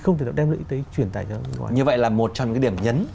như vậy là một trong những cái điểm nhấn